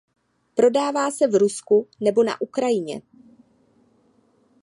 Prodává se v Rusku nebo na Ukrajině.